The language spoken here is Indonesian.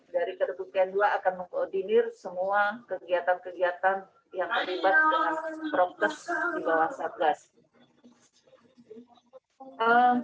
dari kedebutian dua akan mengkoordinir semua kegiatan kegiatan yang terlibat dengan prokes di bawah satgas